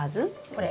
これ。